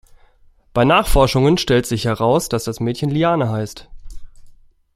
Bei Nachforschungen stellt sich heraus, dass das Mädchen Liane heißt.